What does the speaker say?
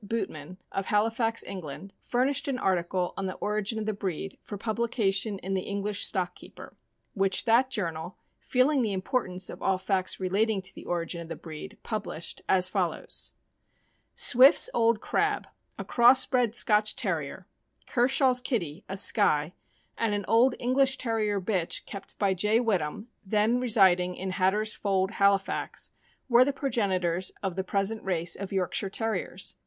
Boot man, of Halifax, England, furnished an article on the origin of the breed, for publication in the English Stock Keeper, which that journal, "feeling the importance of all facts relating to the origin of the breed," published, as fol lows: Swift's Old Crab, a cross bred Scotch Terrier, Kershaw's Kitty, a Skye, and an old English Terrier bitch kept by J. Whittam, then residing in Hatter's Fold, Halifax, were the progenitors of the present race of Yorkshire Terriers.